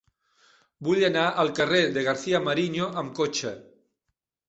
Vull anar al carrer de García-Mariño amb cotxe.